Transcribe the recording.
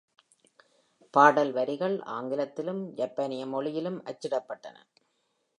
பாடல் வரிகள், ஆங்கிலத்திலும், ஜப்பானிய மொழியிலும் அச்சிடப்பட்டன.